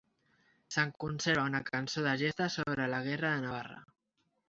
Se'n conserva una cançó de gesta sobre la guerra de Navarra.